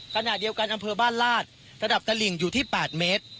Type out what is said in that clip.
ขณะเดียวกันอำเภอบ้านลาดระดับตลิ่งอยู่ที่๘เมตร